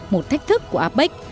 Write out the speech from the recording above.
một thách thức của apec